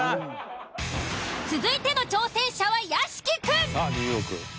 続いての挑戦者は屋敷くん。